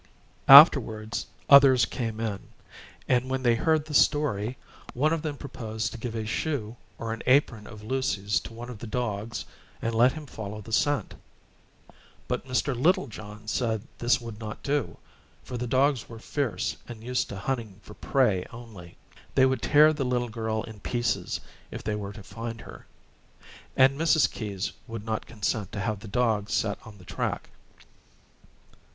Afterwards others came in; and when they heard the story, one of them proposed to give a shoe or an apron of Lucy's to one of the dogs and let him follow the scent. But Mr. Littlejohn said this would not do, for the dogs were fierce and used to hunting for prey only. They would tear the little girl in pieces if they were to find her. And Mrs. Keyes would not consent to have the dogs set on the track.